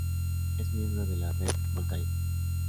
Es miembro de la Red Voltaire.